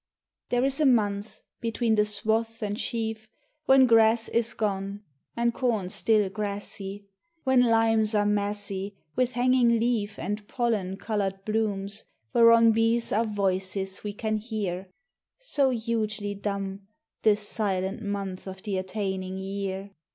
THERE is a month between the swath and sheaf When grass is gone And com still grassy, When limes are massy With hanging leaf And pollen coloured blooms whereon Bees are voices we can hear, So hugely dumb This silent month of the attaining year.